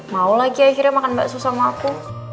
mau lagi akhirnya makan bakso sama aku